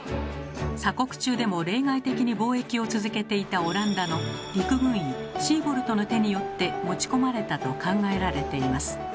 鎖国中でも例外的に貿易を続けていたオランダの陸軍医シーボルトの手によって持ち込まれたと考えられています。